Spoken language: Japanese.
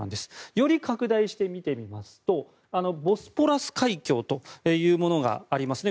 より拡大して見てみますとボスポラス海峡というものがありますね。